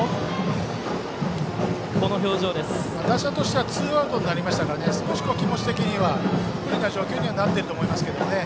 打者としてはツーアウトになりましたから少し気持ち的には不利な状況にはなっていると思いますけどね。